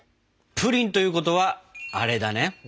プリンということはアレだね！